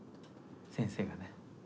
先生がね。